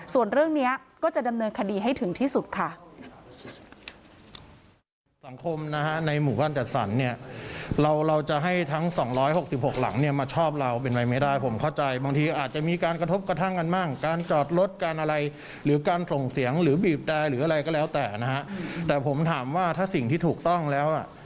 ส่วนเรื่องนี้ก็จะดำเนินคดีให้ถึงที่สุดค่ะ